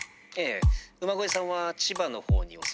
馬越さんは千葉のほうにお住まいですよね」。